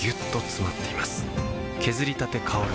削りたて香る